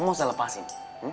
kamu mau saya lepasin